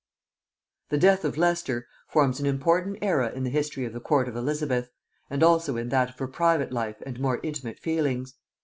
The death of Leicester forms an important æra in the history of the court of Elizabeth, and also in that of her private life and more intimate feelings.